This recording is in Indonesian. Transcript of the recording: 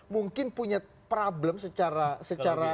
mungkin punya problem secara